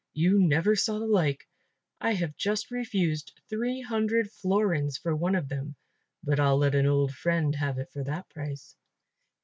You never saw the like. I have just refused 300 florins for one of them, but I'll let an old friend have it for that price."